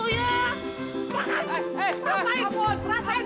iya akhirnya galak banget aja dia orang lah